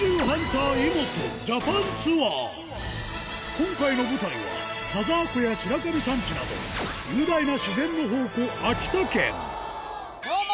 今回の舞台は田沢湖や白神山地など雄大な自然の宝庫どうも！